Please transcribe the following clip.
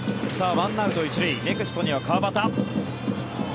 １アウト１塁ネクストには川端。